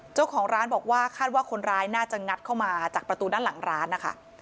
เจ้าของร้านบอกว่าคาดว่าคนร้ายน่าจะงัดเข้ามาจากประตูด้านหลังร้านนะคะ